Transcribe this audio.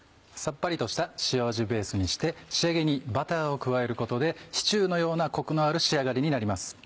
さっぱりとした塩味ベースにして仕上げにバターを加えることでシチューのようなコクのある仕上がりになります。